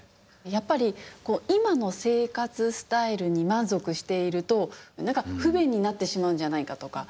やっぱり今の生活スタイルに満足していると何か不便になってしまうんじゃないかとか。